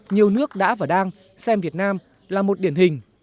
nhiều nước đã và đang xem việt nam là một điển hình